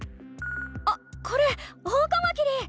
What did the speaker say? あっこれオオカマキリ！